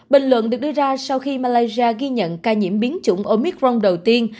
bình luận được đưa ra sau khi malaysia ghi nhận ca nhiễm biến chủng omicron đầu tiên